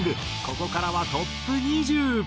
ここからはトップ２０。